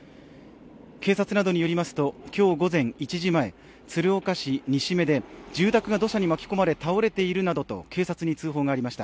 警察などによりますと今日午前１時前、鶴岡市西目で住宅が土砂に巻き込まれ倒れているなどと警察に通報がありました。